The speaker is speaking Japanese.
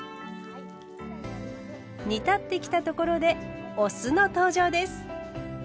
煮立ってきたところでお酢の登場です。